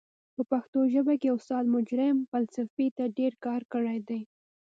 په پښتو ژبه کې استاد مجرح فلسفې ته ډير کار کړی دی.